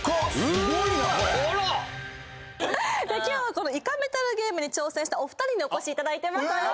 今日はこのイカメタルゲームに挑戦したお二人にお越しいただいてますえっ？